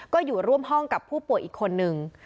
ก็อยู่ร่วมห้องกับผู้ป่วยอีกคนนึง